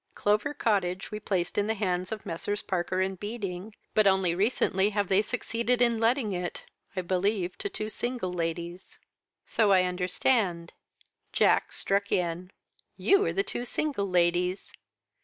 Clover Cottage we placed in the hands of Messrs. Parker and Beading, but only recently have they succeeded in letting it I believe to two single ladies.' "'So I understand.'" Jack struck in. "You are the two single ladies.